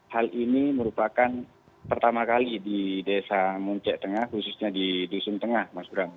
hal ini merupakan pertama kali di desa moncek tengah khususnya di dusun tengah mas bram